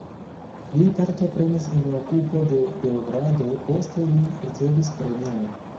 Li partoprenis en okupo de Beogrado, poste li ricevis premion.